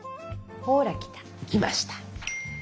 ほら来た。来ました。